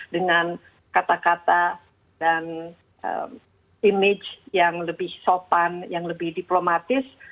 dengan kata kata dan image yang lebih sopan yang lebih diplomatis